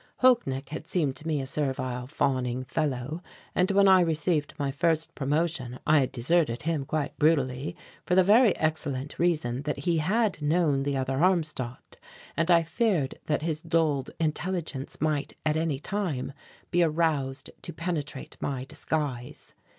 Holknecht had seemed to me a servile fawning fellow and when I received my first promotion I had deserted him quite brutally for the very excellent reason that he had known the other Armstadt and I feared that his dulled intelligence might at any time be aroused to penetrate my disguise.